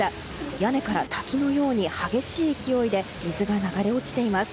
屋根から滝のように激しい勢いで水が流れ落ちています。